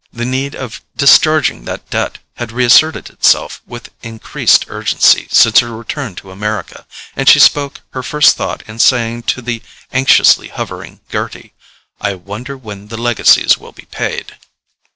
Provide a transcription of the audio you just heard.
The need of discharging that debt had reasserted itself with increased urgency since her return to America, and she spoke her first thought in saying to the anxiously hovering Gerty: "I wonder when the legacies will be paid."